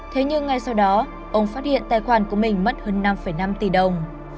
thế nhưng ngay sau đó ông phát hiện tài khoản của mình mất hơn năm năm tỷ đồng